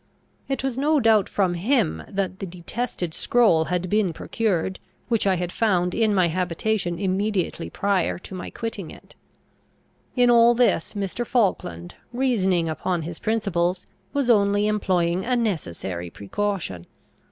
It was no doubt from him that the detested scroll had been procured, which I had found in my habitation immediately prior to my quitting it. In all this Mr. Falkland, reasoning upon his principles, was only employing a necessary precaution.